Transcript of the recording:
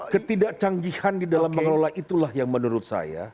ketidakcanggihan di dalam mengelola itulah yang menurut saya